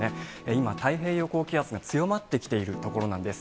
今、太平洋高気圧が強まってきているところなんです。